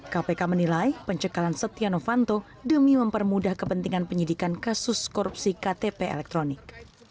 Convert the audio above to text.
kpk menilai pencekalan setia novanto demi mempermudah kepentingan penyidikan kasus korupsi ktp elektronik